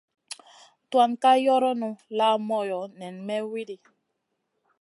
Tuan ka yoronu la moyo nen may widi.